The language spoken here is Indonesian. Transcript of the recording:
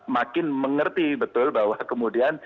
makin mengerti betul bahwa kemudian